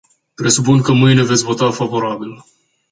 Presupun că mâine veți vota favorabil.